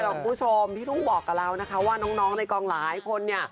คุณผู้ชมพี่ทุ่งบอกกับเรานะคะว่าน้องในกองหลายคนเนี่ย